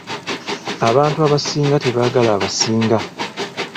Abantu abasinga tebaagala abasinga.